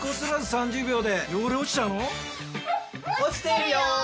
落ちてるよ！